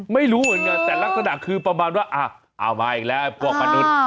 ไม่รู้เหมือนกันแต่ลักษณะคือประมาณว่าเอามาอีกแล้วพวกมนุษย์